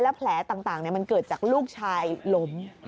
แผลต่างมันเกิดจากลูกชายล้ม